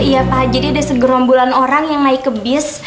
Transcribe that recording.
iya pak jadi ada segerombolan orang yang naik ke bis